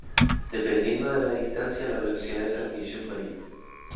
Dependiendo de la distancia la velocidad de transmisión varía.